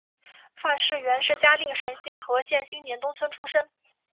范氏姮是嘉定省新和县新年东村出生。